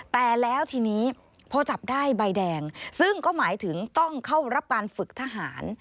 แต่แล้วทีนี้พอจับได้ใบแดงซึ่งก็หมายถึงต้องเข้ารับการฝึกทหาร